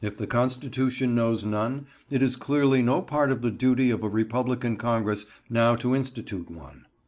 If the Constitution knows none, it is clearly no part of the duty of a Republican Congress now to institute one.